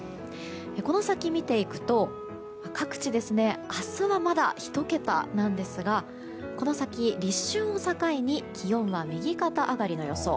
この先を見ていくと各地、明日はまだ１桁なんですがこの先、立春を境に気温が右肩上がりの予想。